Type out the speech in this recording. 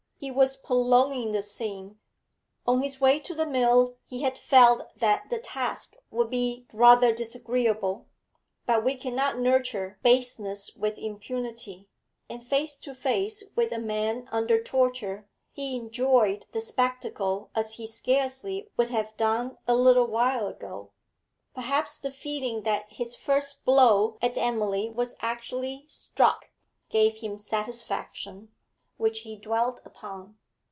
He was prolonging this scene. On his way to the mill he had felt that the task would be rather disagreeable; but we cannot nurture baseness with impunity, and, face to face with a man under torture, he enjoyed the spectacle as he scarcely would have done a little while ago. Perhaps the feeling that his first blow at Emily was actually struck gave him satisfaction, which he dwelt upon.